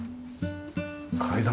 階段